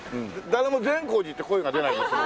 誰も善光寺って声が出ないんですが。